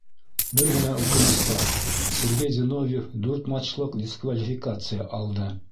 Бер генә үкенес бар: Сергей Зиновьев дүрт матчлыҡ дисквалификация алды.